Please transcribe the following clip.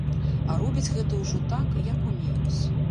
А робяць гэта ўжо так, як умеюць.